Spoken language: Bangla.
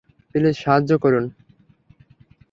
প্লীজ সাহায্য করুন।